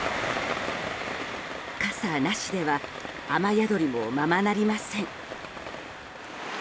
傘なしでは雨宿りもままなりません。